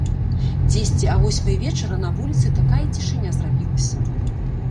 Дзесьці а восьмай вечара на вуліцы такая цішыня зрабілася!